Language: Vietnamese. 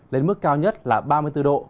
lên mức cao nhất là ba mươi bốn độ